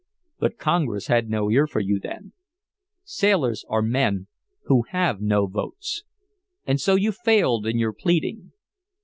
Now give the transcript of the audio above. But Congress had no ear for you then. Sailors are men who have no votes. And so you failed in your pleading.